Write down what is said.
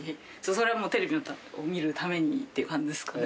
それはもうテレビを見るためにっていう感じですかね。